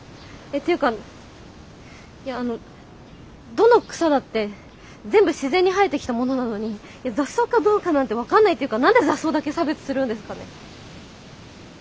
っていうかいやあのどの草だって全部自然に生えてきたものなのに雑草かどうかなんて分かんないっていうか何で雑草だけ差別するんですかね。